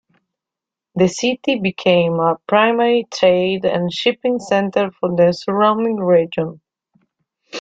The city became a primary trade and shipping center for the surrounding region.